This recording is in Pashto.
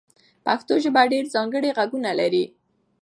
پښتو ژبه ډېر ځانګړي غږونه لري.